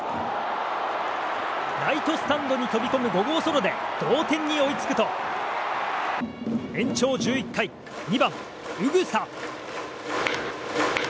ライトスタンドに飛び込む５号ソロで同点に追いつくと延長１１回２番、宇草。